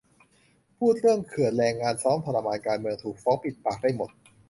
พูดเรื่องเขื่อน แรงงาน ซ้อมทรมาน การเมือง ถูก ฟ้องปิดปาก ได้หมด